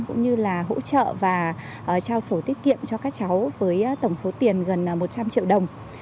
cũng như là hỗ trợ và trao sổ tiết kiệm cho các cháu với tổng số tiền gần một trăm linh triệu đồng